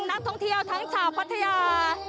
นักท่องเที่ยวทั้งชาวพัทยา